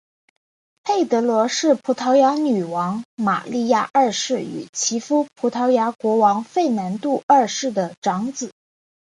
佩德罗是葡萄牙女王玛莉亚二世与其夫葡萄牙国王费南度二世的长子。